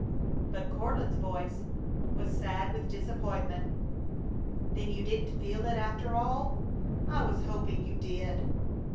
But Courtland's voice was sad with disappointment. "Then you didn't feel it, after all! I was hoping you did."